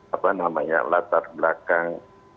apa namanya latar belakang